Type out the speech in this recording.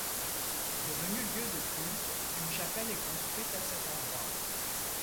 Devenu lieu de culte, une chapelle est construite à cet endroit.